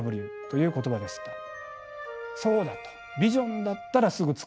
そうだとビジョンだったらすぐ作れると。